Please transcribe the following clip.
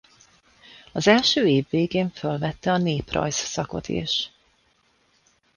Az első év végén fölvette a néprajz szakot is.